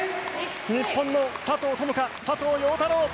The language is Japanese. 日本の佐藤友花・佐藤陽太郎